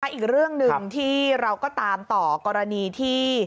อีกเรื่องหนึ่งที่เราก็ตามต่อกรณีที่